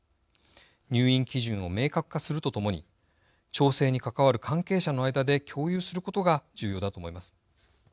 入院基準を明確化するとともに調整に関わる関係者の間で共有することが重要だと思います。